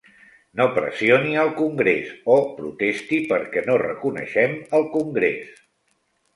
No pressioni al Congrés o protesti perquè no reconeixem el Congrés!